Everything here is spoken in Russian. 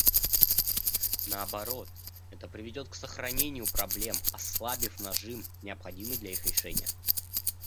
Наоборот, это приведет к сохранению проблем, ослабив нажим, необходимый для их решения.